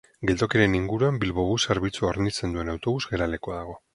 Geltokiaren inguruan Bilbobus zerbitzua hornitzen duen autobus geralekua dago.